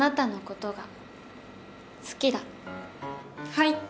はい。